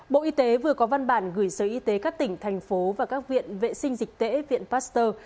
bộ y tế vừa có văn bản gửi sở y tế các tỉnh thành phố và các viện vệ sinh dịch tễ viện pasteur